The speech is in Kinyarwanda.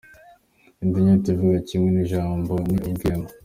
Indi nyito ivuga kimwe n’ijabo ni ubwema.